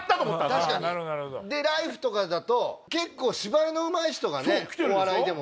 確かに。とかだと結構芝居のうまい人がねお笑いでも。